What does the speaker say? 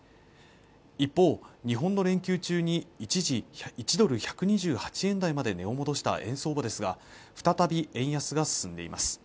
一方日本の連休中に一時１ドル＝１２８円台まで値を戻した円相場ですが再び円安が進んでいます